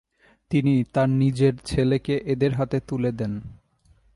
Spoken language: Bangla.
তিনি তাঁর নিজের ছেলেকে এদের হাতে তুলে দেন।